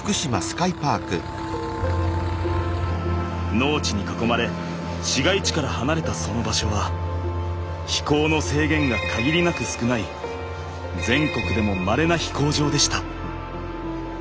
農地に囲まれ市街地から離れたその場所は飛行の制限が限りなく少ない全国でもまれな飛行場でした。